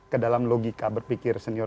kedalam logika berpikir senior